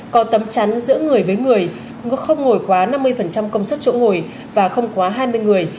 có tấm chắn giữa người với người không ngồi quá năm mươi công suất chỗ ngồi và không quá hai mươi người